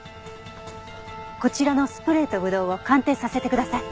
こちらのスプレーとぶどうを鑑定させてください。